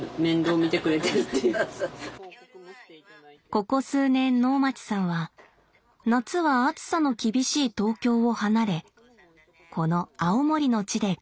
ここ数年能町さんは夏は暑さの厳しい東京を離れこの青森の地で暮らしています。